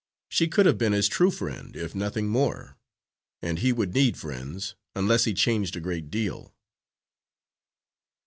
She could have been his true friend, if nothing more; and he would need friends, unless he changed a great deal.